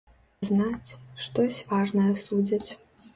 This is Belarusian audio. Знаць, штось важнае судзяць.